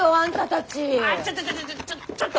あっちょちょちょちょっと！